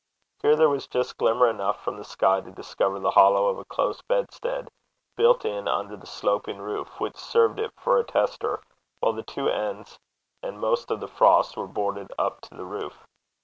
Here there was just glimmer enough from the sky to discover the hollow of a close bedstead, built in under the sloping roof, which served it for a tester, while the two ends and most of the front were boarded up to the roof.